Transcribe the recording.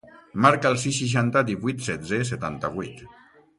Marca el sis, seixanta, divuit, setze, setanta-vuit.